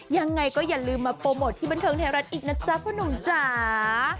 ยังไงก็อย่าลืมมาโปรโมทที่บันเทิงไทยรัฐอีกนะจ๊ะพ่อหนุ่มจ๋า